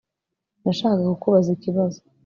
Nashakaga kukubaza ikibazo